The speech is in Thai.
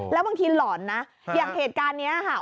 แล้วบางทีหลอนนะอย่างเหตุการณ์นี้ค่ะ